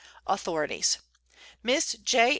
AUTHORITIES. Miss J.